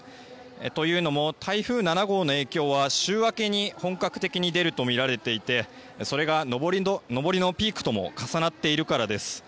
というのも台風７号の影響は週明けに本格的に出るとみられていてそれが上りのピークとも重なっているからです。